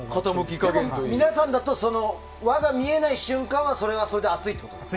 皆さんだと輪が見えない瞬間はそれはそれで熱いってことですか？